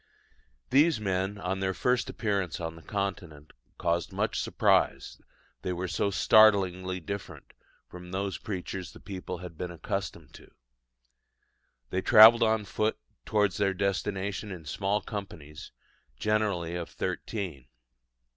These men, on their first appearance on the Continent, caused much surprise, they were so startlingly different from those preachers the people had been accustomed to. They travelled on foot towards their destination in small companies, generally of thirteen.